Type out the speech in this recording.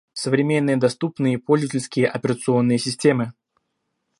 Современные доступные пользовательские операционные системы